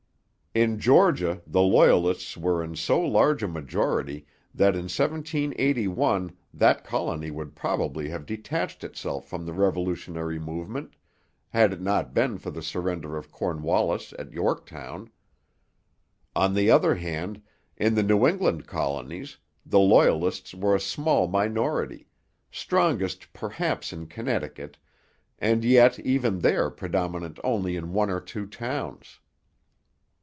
In Georgia the Loyalists were in so large a majority that in 1781 that colony would probably have detached itself from the revolutionary movement had it not been for the surrender of Cornwallis at Yorktown. On the other hand, in the New England colonies the Loyalists were a small minority, strongest perhaps in Connecticut, and yet even there predominant only in one or two towns.